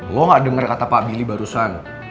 lo gak dengar kata pak billy barusan